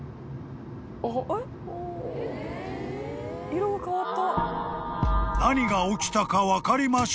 色変わった。